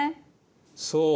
そう。